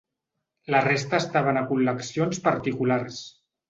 La resta estaven a col·leccions particulars.